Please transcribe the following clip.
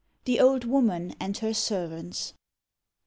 THE OLD WOMAN AND HER SERVANTS.